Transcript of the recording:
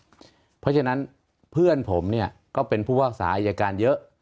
เพราะฉะนั้นเพื่อนผมเนี่ยก็เป็นผู้ภาคศาอายการเยอะ